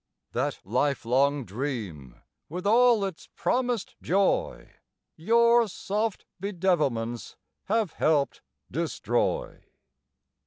That lifelong dream with all its promised joy Your soft bedevilments have helped destroy.